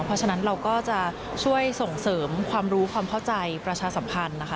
เพราะฉะนั้นเราก็จะช่วยส่งเสริมความรู้ความเข้าใจประชาสัมพันธ์นะคะ